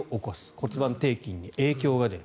骨盤底筋に影響が出る。